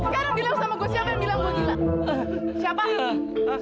jangan pak haji pergi aman pergi